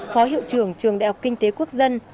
phó hiệu trưởng trường đại học kinh tế quốc dân